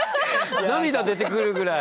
涙出てくるぐらい。